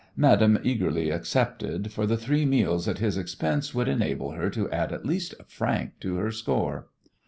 Madame eagerly accepted, for the three meals at his expense would enable her to add at least a franc to her store.